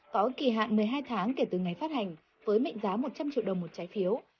có kỳ hạn một mươi hai tháng kể từ ngày phát hành với mệnh giá một trăm linh triệu đồng một trái phiếu